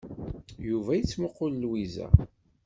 Yuba yettmuqul Lwiza.